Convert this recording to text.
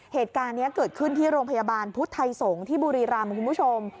เหตุการณ์นี้เกิดขึ้นที่โรงพยาบาลพุทธไทยสงฆ์ที่บุรีรำคุณผู้ชม